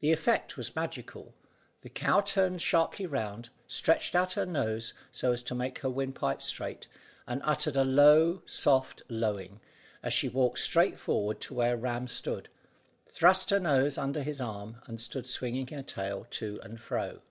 The effect was magical, the cow turned sharply round, stretched out her nose so as to make her windpipe straight, and uttered a low soft lowing, as she walked straight forward to where Ram stood, thrust her nose under his arm, and stood swinging her tail to and fro.